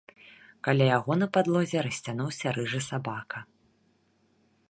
Каля яго на падлозе расцягнуўся рыжы сабака.